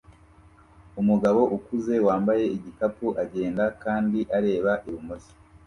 Umugabo ukuze wambaye igikapu agenda kandi areba ibumoso